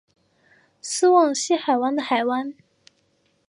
斯旺西海湾的海湾。